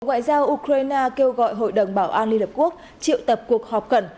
bộ ngoại giao ukraine kêu gọi hội đồng bảo an liên hợp quốc triệu tập cuộc họp cận